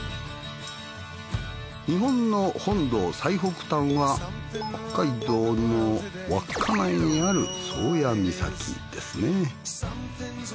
日本の本土最北端は北海道の稚内にある宗谷岬ですね。